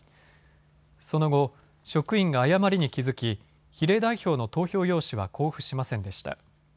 その後、職員が誤りに気付き比例代表の投票用紙は交付しませんでした。